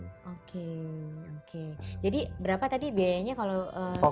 oke oke jadi berapa tadi biayanya kalau di sini